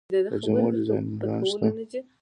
د جامو ډیزاینران شته؟